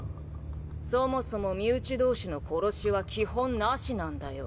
そもそも身内同士の殺しは基本なしなんだよ。